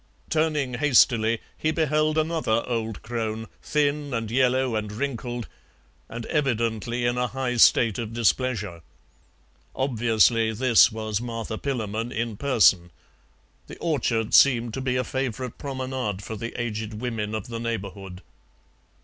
Turning hastily, he beheld another old crone, thin and yellow and wrinkled, and evidently in a high state of displeasure. Obviously this was Martha Pillamon in person. The orchard seemed to be a favourite promenade for the aged women of the neighbourhood.